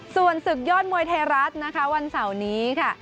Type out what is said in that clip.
ส่วนศึกยอดมวยไทยรัฐนะคะวันเสาร์นี้ค่ะ